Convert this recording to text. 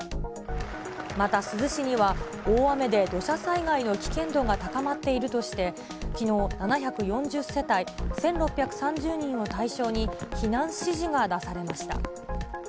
また珠洲市には、大雨で土砂災害の危険度が高まっているとして、きのう、７４０世帯１６３０人を対象に避難指示が出されました。